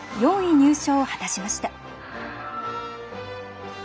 ４位入賞を果たしました。